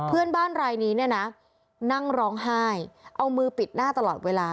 เพื่อนบ้านรายนี้เนี่ยนะนั่งร้องไห้เอามือปิดหน้าตลอดเวลา